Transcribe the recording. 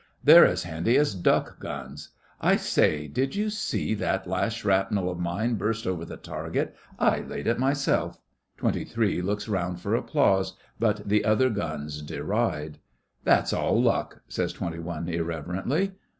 They're as handy as duck guns. I say, did you see that last shrapnel of mine burst over the target? I laid it myself.' Twenty Three looks round for applause, but the other guns deride. 'That's all luck,' says Twenty One, irreverently.